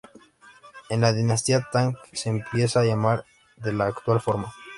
En la dinastía Tang se empieza a llamar de la actual forma.